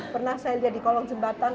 pernah saya lihat di kolong jembatan